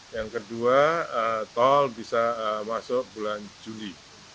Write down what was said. yang kedua tol bisa masuk bulan juli